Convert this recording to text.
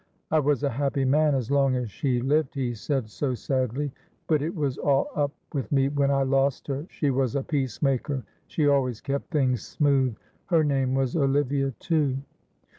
'I was a happy man as long as she lived,' he said, so sadly, 'but it was all up with me when I lost her. She was a peacemaker, she always kept things smooth; her name was Olivia too.'"